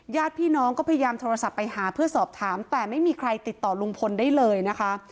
ญาติพี่น้องก็พยายามโทรศัพท์ไปหาเพื่อสอบถามแต่ไม่มีใครติดต่อลุงพลได้เลยนะคะ